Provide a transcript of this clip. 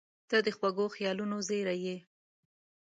• ته د خوږو خیالونو زېری یې.